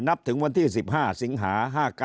ถึงวันที่๑๕สิงหา๕๙